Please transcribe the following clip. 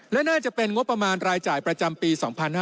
และน่าจะเป็นงบประมาณรายจ่ายประจำปี๒๕๕๙